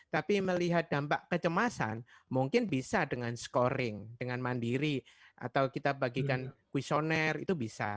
tapi melihat dampak kecemasan mungkin bisa dengan scoring dengan mandiri atau kita bagikan questionnaire itu bisa